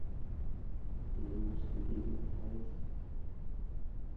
Dem muss ggf.